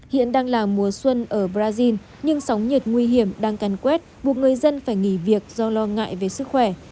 hiện đang là mùa xuân ở brazil nhưng sóng nhiệt nguy hiểm đang cằn quét buộc người dân phải nghỉ việc do lo ngại về sức khỏe